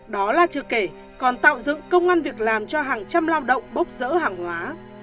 đó là chưa kể còn tạo dựng công an việc làm cho hàng trăm lao động bốc rỡ hàng hóa